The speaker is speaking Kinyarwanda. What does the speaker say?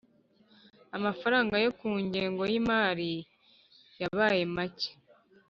amafaranga yo ku ngengo y imari yabaye make